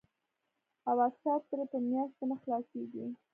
او اکثر ترې پۀ مياشتو نۀ خلاصيږي